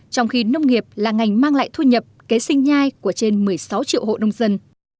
trong khi nông nghiệp là ngành mang lại thu nhập kế sinh nhai của trên một mươi sáu triệu hộ nông dân